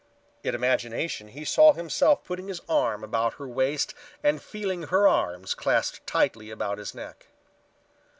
In imagination he saw himself putting his arm about her waist and feeling her arms clasped tightly about his neck.